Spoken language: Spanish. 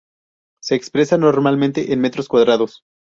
Se expresa normalmente en metros cuadrados.